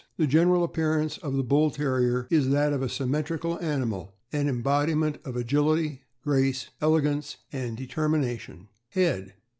— The general appearance of the Bull Terrier is that of a symmetrical animal, an embodi ment of agility, grace, elegance, and determination. Head.